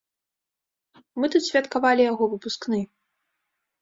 Мы тут святкавалі яго выпускны.